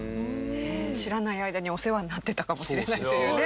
知らない間に、お世話になってたかもしれないというね。